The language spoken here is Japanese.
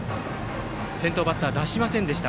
先頭バッターを出しませんでした。